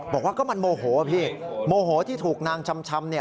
บอกว่าก็มันโมโหพี่โมโหที่ถูกนางชำ